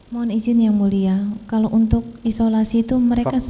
mohon izin yang mulia kalau untuk isolasi itu mereka sudah